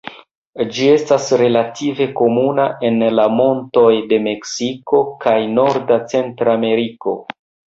Ĝi estas relative komuna en la montoj de Meksiko kaj norda Centrameriko.